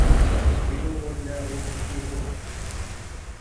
ढिँडो ओडल्या हो कि के हो?